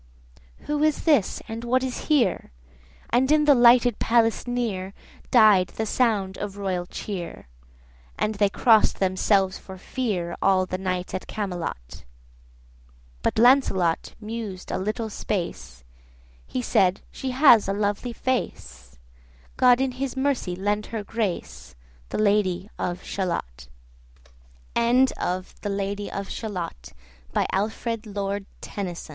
Who is this? and what is here? And in the lighted palace near Died the sound of royal cheer; 165 And they cross'd themselves for fear, All the knights at Camelot: But Lancelot mused a little space; He said, 'She has a lovely face; God in His mercy lend her grace, 170 The Lady of Shalott.' Contents BIBLIOGRAPHIC RECORD Pr